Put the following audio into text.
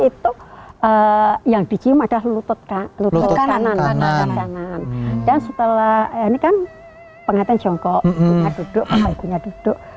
itu yang dicium adalah lutut kanan kanan dan setelah ini kan pengajian jongkok duduk